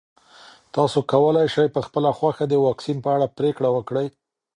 تاسو کولی شئ په خپله خوښه د واکسین په اړه پرېکړه وکړئ.